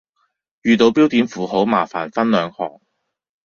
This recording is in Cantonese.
遇到標點符號麻煩分兩行